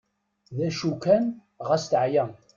D acu kan ɣas teɛya.